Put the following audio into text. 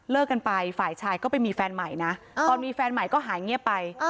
กันไปฝ่ายชายก็ไปมีแฟนใหม่นะพอมีแฟนใหม่ก็หายเงียบไป